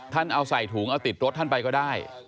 เอาใส่ถุงเอาติดรถท่านไปก็ได้